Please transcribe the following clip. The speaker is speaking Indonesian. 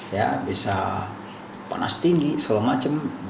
ya bisa panas tinggi segala macam